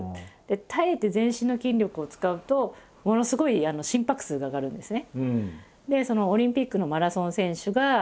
耐えて全身の筋力を使うとものすごい心拍数が上がるんですね。